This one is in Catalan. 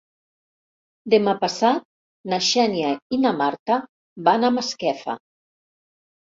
Demà passat na Xènia i na Marta van a Masquefa.